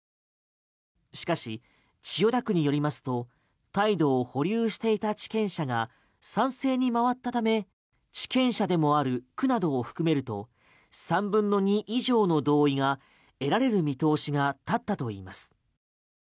しかし、千代田区によりますと態度を保留していた地権者が賛成に回ったため地権者でもある区などを含めると３分の２以上の同意が得られる見通しが立ったといいます。